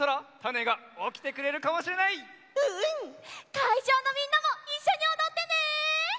かいじょうのみんなもいっしょにおどってね！